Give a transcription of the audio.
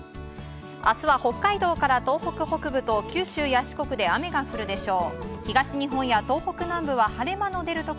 明日は、北海道から東北北部と九州や四国で雨が降るでしょう。